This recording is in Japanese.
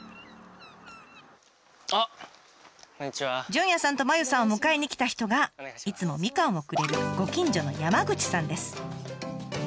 じゅんやさんとまゆさんを迎えにきた人がいつもみかんをくれるご近所の山口さんです。